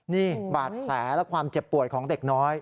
นี่บาดแผลและความเจ็บปวดของเด็กน้อย